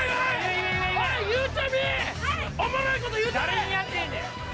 誰にやってんねん？